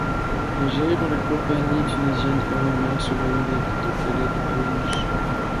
Il est géré par la compagnie tunisienne Eolia sous la houlette de Khaled Aouij.